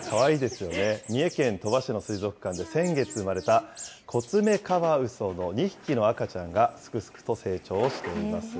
三重県鳥羽市の水族館で先月生まれたコツメカワウソの２匹の赤ちゃんがすくすくと成長をしています。